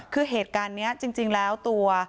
คือเหตุการณ์นี้จริงแล้วตัว